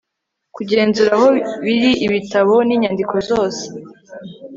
Kugenzura aho biri ibitabo n inyandiko zose